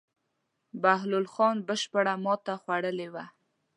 بهاول خان بشپړه ماته خوړلې وه.